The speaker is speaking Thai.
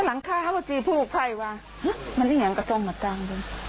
หลังข้าวจีบพลพัยว่ามันอิงแหงกระทรงมาตรางด้วย